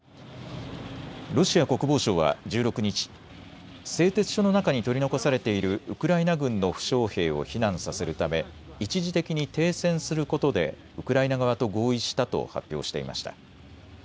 ロシア国防省は１６日、製鉄所の中に取り残されているウクライナ軍の負傷兵を避難させるため一時的に停戦することでウクライナ側と合意したと発表していました。